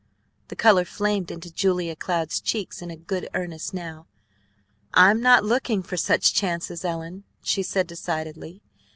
The color flamed into Julia Cloud's cheeks in good earnest now. "I'm not looking for such chances, Ellen," she said decidedly.